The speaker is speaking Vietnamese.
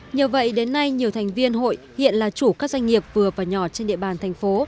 nhờ vậy đến nay nhiều thành viên hội hiện là chủ các doanh nghiệp vừa và nhỏ trên địa bàn thành phố